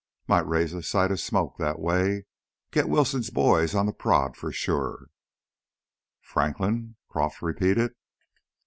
Might raise a sight of smoke that way. Git Wilson's boys on the prod, for sure." "Franklin ?" Croff repeated.